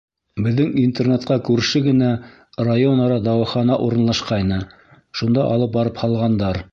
Беҙҙең интернатҡа күрше генә район-ара дауахана урынлашҡайны, шунда алып барып һалғандар.